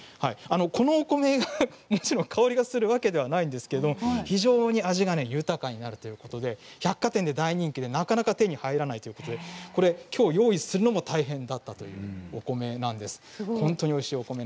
このお米が香りがするわけではないんですが非常に味が豊かになるということで百貨店で大人気なかなか手に入らなくてきょう用意するのも大変だったというお米です。